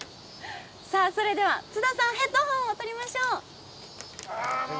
それでは津田さんヘッドホンをとりましょう。